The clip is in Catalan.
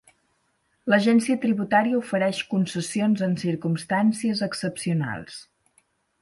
L'Agència tributaria ofereix concessions en circumstàncies excepcionals.